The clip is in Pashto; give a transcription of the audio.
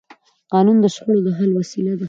قانون د شخړو د حل وسیله ده